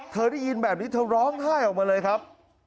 ได้ยินแบบนี้เธอร้องไห้ออกมาเลยครับ